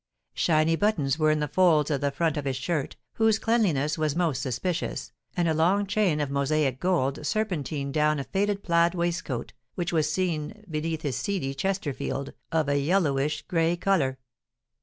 Shiny buttons were in the folds of the front of his shirt, whose cleanliness was most suspicious, and a long chain of mosaic gold serpentined down a faded plaid waistcoat, which was seen beneath his seedy Chesterfield, of a yellowish gray colour.